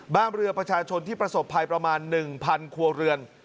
บ้านเรือประชาชนที่ประสบภัยประมาณ๑๐๐ครัวเรือน